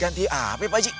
ganti apa ya pak ji